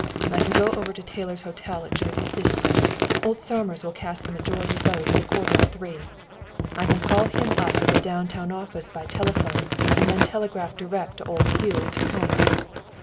"I can go over to Taylor's Hotel at Jersey City. Old Somers will cast the majority vote at a quarter of three. "I can call him up at the down town office by telephone, and then telegraph direct to old Hugh at Tacoma.